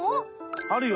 あるよ。